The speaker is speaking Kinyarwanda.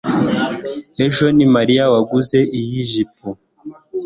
ejo ni mariya waguze iyi jipo